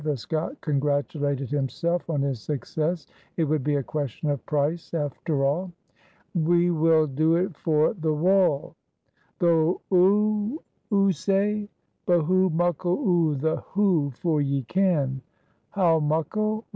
The Scot congratulated himself on his success; it would be a question of price, after all. "We will do it for the wool." "Th' 'oo? oo ay! but hoo muckle o' th' 'oo? for ye ken " "How muckle?